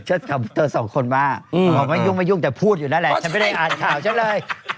เธอสองคนว่าบอกว่ายุ่งไม่ยุ่งแต่พูดอยู่นั่นแหละฉันไม่ได้อ่านข่าวฉันเลย